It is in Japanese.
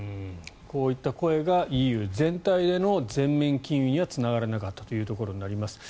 こういった声がＥＵ全体での全面禁輸にはつながらなかったということになります。